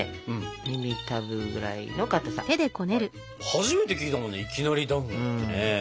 初めて聞いたもんね「いきなりだんご」ってね。